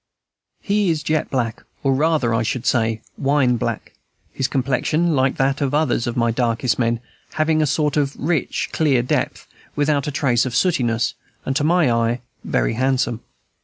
He is jet black, or rather, I should say, wine black; his complexion, like that of others of my darkest men, having a sort of rich, clear depth, without a trace of sootiness, and to my eye very handsome.